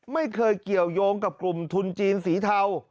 ไม่เคยเกี่ยวยงกับกลุ่มทุนจีนสีเทา